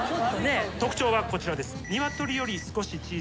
特徴はこちらです。